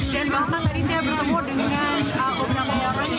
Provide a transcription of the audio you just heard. dan memang tadi saya bertemu dengan omnya penyarang yang berasal dari